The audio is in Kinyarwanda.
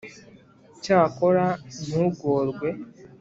cyakora ntugorwe